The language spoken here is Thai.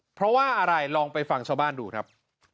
เพราะว่าอะไรลองไปฟังชาวบ้านดูครับ